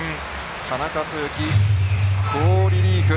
田中豊樹、好リリーフ。